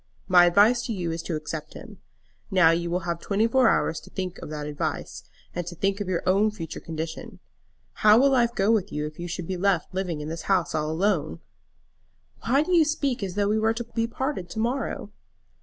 My advice to you is to accept him. Now you will have twenty four hours to think of that advice, and to think of your own future condition. How will life go with you if you should be left living in this house all alone?" "Why do you speak as though we were to be parted to morrow?"